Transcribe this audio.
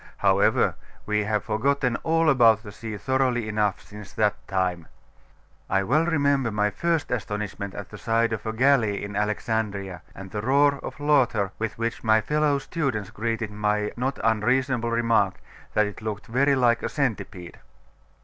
However, we have forgotten all about the sea thoroughly enough since that time. I well remember my first astonishment at the side of a galley in Alexandria, and the roar of laughter with which my fellow students greeted my not unreasonable remark, that it looked very like a centipede.